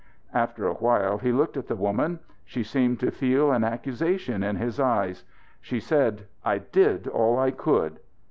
After a while he looked at the woman. She seemed to feel an accusation in his eyes. She said: "I did all I could."